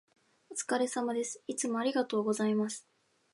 お疲れ様です。いつもありがとうございます。